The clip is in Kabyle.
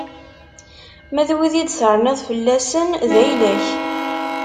Ma d wid i d-terniḍ fell-asen, d ayla-k.